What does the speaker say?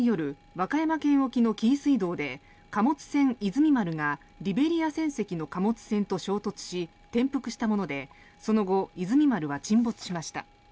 和歌山県沖の紀伊水道で貨物船「いずみ丸」がリベリア船籍の貨物船と衝突し転覆したものでその後「いずみ丸」は沈没しました。